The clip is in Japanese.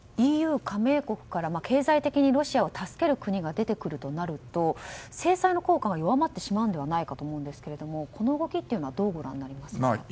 ＥＵ加盟国から経済的にロシアを助ける国が出てくるとなると制裁の効果が弱まってしまうのではと思うんですけどもこの動きはどうご覧になりますか？